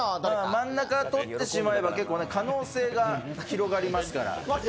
真ん中とってしまえば、結構可能性が広がりますから。